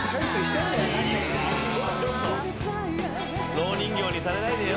ろう人形にされないでよ。